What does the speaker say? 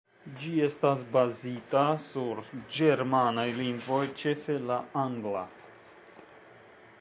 Ĝi estas bazita sur ĝermanaj lingvoj, ĉefe la angla.